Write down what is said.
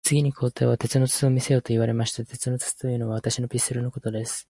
次に皇帝は、鉄の筒を見せよと言われました。鉄の筒というのは、私のピストルのことです。